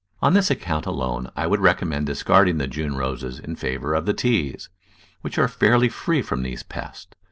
On this account alone I would recommend discarding the June Roses in favour of the Teas, which are fairly free from these pests.